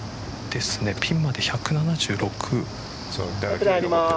ピンまで１７６。